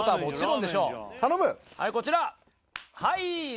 はいこちらはい！